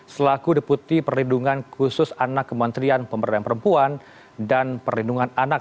selaku deputi perlindungan khusus anak kementerian pemberdayaan perempuan dan perlindungan anak